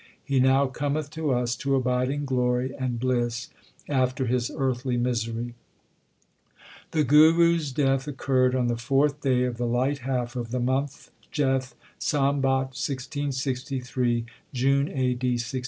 He now cometh to us to abide in glory and bliss after his earthly misery/ The Guru s death occurred on the fourth day of the light half of the month Jeth, Sambat 1663 (June, A. D. 1606).